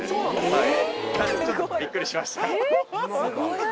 はい。